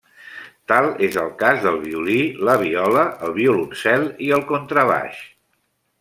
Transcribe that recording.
Tal és el cas del violí, la viola, el violoncel i el contrabaix.